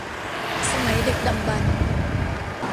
สมัยดึกดำบรรพ์